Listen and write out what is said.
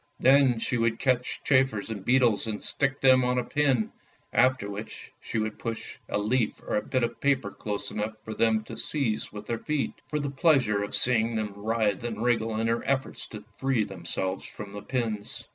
Then she would catch chafers and beetles and stick them on a pin, after which she would push a leaf or a bit of paper close enough for them to seize with their feet; for the pleasure of seeing them writhe and wriggle in their efforts to free themselves from the pins.